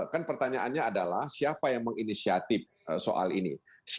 kan pertanyaannya adalah siapa yang menginisiatif soal ini